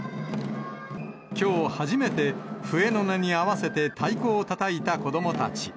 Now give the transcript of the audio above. きょう初めて笛の音に合わせて太鼓をたたいた子どもたち。